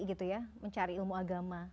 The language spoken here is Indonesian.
gitu ya mencari ilmu agama